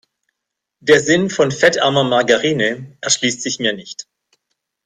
Der Sinn von fettarmer Margarine erschließt sich mir nicht.